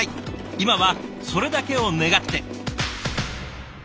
今はそれだけを願って。